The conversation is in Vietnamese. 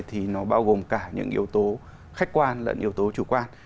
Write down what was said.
thì nó bao gồm cả những yếu tố khách quan lẫn yếu tố chủ quan